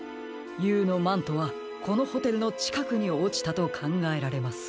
Ｕのマントはこのホテルのちかくにおちたとかんがえられます。